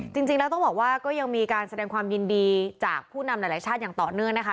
จริงแล้วต้องบอกว่าก็ยังมีการแสดงความยินดีจากผู้นำหลายชาติอย่างต่อเนื่องนะคะ